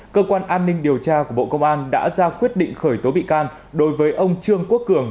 cơ quan an ninh điều tra của bộ công an đã ra quyết định khởi tố bị can đối với ông trương quốc cường